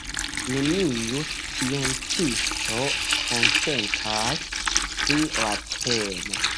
Neniu sciencisto konsentas pri la temo.